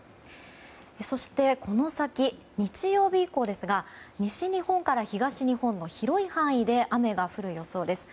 そして、この先日曜日以降ですが西日本から東日本の広い範囲で雨が降る予想です。